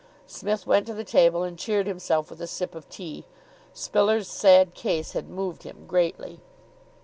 Psmith went to the table, and cheered himself with a sip of tea. Spiller's sad case had moved him greatly.